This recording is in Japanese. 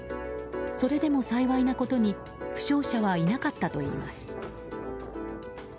それでも幸いなことに負傷者はいなかったといいます。